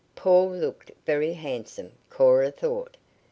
Paul looked very handsome, Cora thought.